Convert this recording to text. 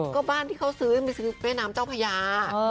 ก็บ้านที่เขาซื้อไม่ซื้อเบอร์แม่น้ำเจ้าพระยา